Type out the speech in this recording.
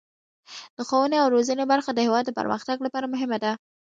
د ښوونې او روزنې برخه د هیواد د پرمختګ لپاره مهمه ده.